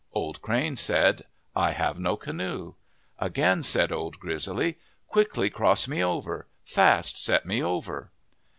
Old Crane said, " I have no canoe." Again said Old Grizzly, " Quickly cross me over ; fast set me over."